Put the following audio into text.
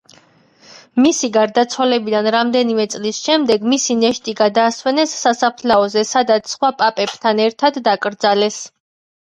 მისი გარდაცვალებიდან რამდენიმე წლის შემდეგ, მისი ნეშტი გადაასვენეს სასაფლაოზე, სადაც სხვა პაპებთან ერთად დაკრძალეს.